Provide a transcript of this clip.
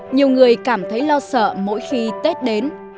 nhiều người cảm thấy lo sợ mỗi khi tết đến